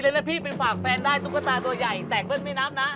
ดีเลยนะพี่ไปฝากแฟนได้ตุกตาตัวใหญ่แตกเพิ่มไม่น้ำนะ